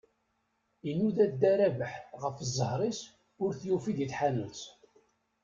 Inuda dda Rabeḥ ɣef ẓẓher-is, ur t-yufi di tḥanut.